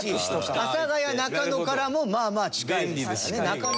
阿佐ヶ谷中野からもまあまあ近いですからね。